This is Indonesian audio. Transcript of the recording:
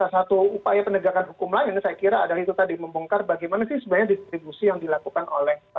satu upaya penegakan hukum lain saya kira adalah itu tadi membongkar bagaimana sih sebenarnya distribusi yang dilakukan oleh